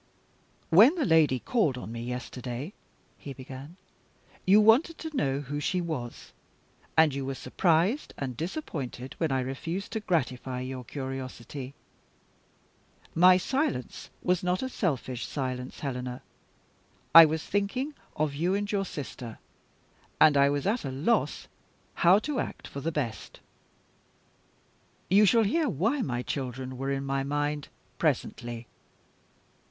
"When that lady called on me yesterday," he began, "you wanted to know who she was, and you were surprised and disappointed when I refused to gratify your curiosity. My silence was not a selfish silence, Helena. I was thinking of you and your sister; and I was at a loss how to act for the best. You shall hear why my children were in my mind, presently.